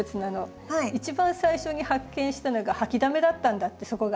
一番最初に発見したのが掃きだめだったんだってそこが。